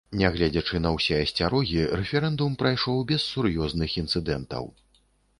Нягледзячы на ўсе асцярогі, рэферэндум прайшоў без сур'ёзных інцыдэнтаў.